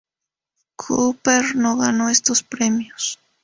Cooper no ganó estos premios.